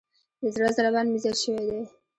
د زړه ضربان مې زیات شوئ دی.